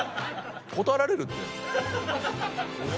断られるって！